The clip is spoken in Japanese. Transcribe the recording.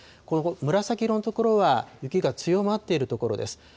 この紫色の所は雪が強まっている所です。